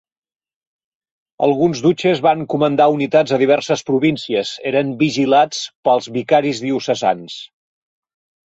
Alguns duces van comandar unitats a diverses províncies: eren vigilats pels vicaris diocesans.